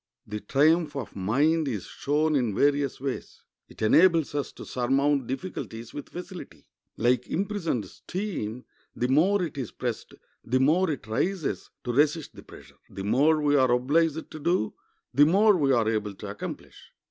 The triumph of mind is shown in various ways. It enables us to surmount difficulties with facility. Like imprisoned steam, the more it is pressed, the more it rises to resist the pressure. The more we are obliged to do, the more we are able to accomplish.